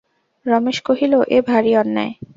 রমেশ কহিল, এ ভারি অন্যায়।